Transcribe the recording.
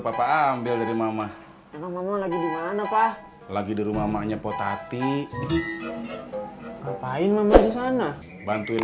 papa ambil dari mama mama lagi di mana pak lagi di rumah maknya potati ngapain mama di sana bantuin